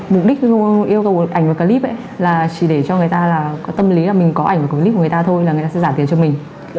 mục đích yêu cầu ảnh và clip là chỉ để cho người ta tâm lý là mình có ảnh và clip của người ta thôi là người ta sẽ giả tiền cho mình